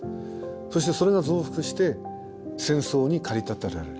そしてそれが増幅して戦争に駆り立てられる。